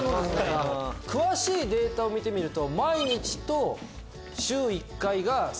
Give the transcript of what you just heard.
詳しいデータを見てみると。